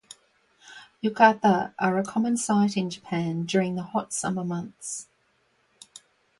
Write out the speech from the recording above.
Yukata are a common sight in Japan during the hot summer months.